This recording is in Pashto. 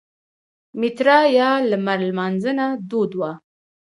میترا یا لمر لمانځنه دود وه